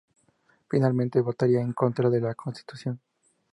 Finalmente votaría en contra de la Constitución.